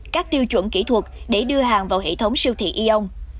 các tiêu chuẩn kỹ thuật để đưa hàng vào hệ thống siêu thị eon